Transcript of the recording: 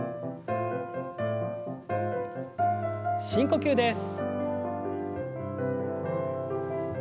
深呼吸です。